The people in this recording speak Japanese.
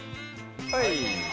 はい！